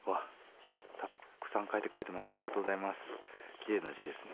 きれいな字ですね。